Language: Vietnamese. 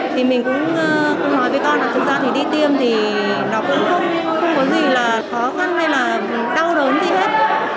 thì mình cũng nói với con là thực ra thì đi tiêm thì nó cũng không có gì là khó khăn hay là đau đớn gì hết